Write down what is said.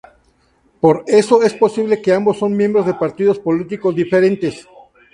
Por eso es posible que ambos son miembros de partidos políticos diferentes.